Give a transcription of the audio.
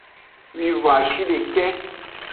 Wivon-ashideke.